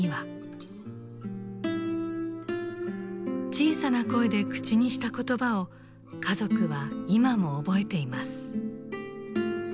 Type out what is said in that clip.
小さな声で口にした言葉を家族は今も覚えています。